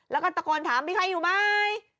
แล้วก็ตะโกนถามพี่ใครอยู่มั้ย